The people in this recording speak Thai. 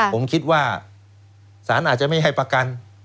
ผมคิดว่าศาลอาจจะไม่ให้ประกัน